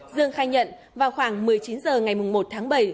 dương khai nhận vào khoảng một mươi chín h ngày một tháng bảy